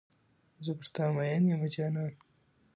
زه پر تا میین یمه جانانه.